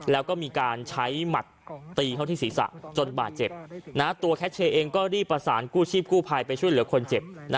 แล้วก็มีการใช้หมัดตีเขาที่ศีรษะจนบาดเจ็บตัวแคชเชย์เองก็รีบประสานกู้ชีพกู้ภัยไปช่วยเหลือคนเจ็บ